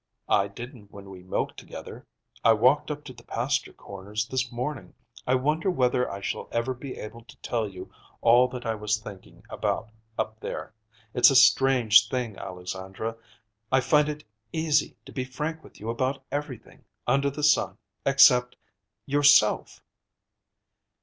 "I didn't when we milked together. I walked up to the pasture corners this morning. I wonder whether I shall ever be able to tell you all that I was thinking about up there. It's a strange thing, Alexandra; I find it easy to be frank with you about everything under the sun except—yourself!"